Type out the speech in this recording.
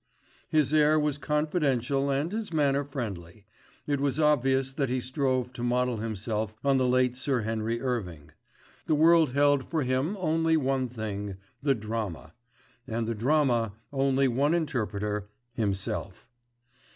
His air was confidential and his manner friendly. It was obvious that he strove to model himself on the late Sir Henry Irving. The world held for him only one thing—the Drama; and the Drama only one interpreter—himself.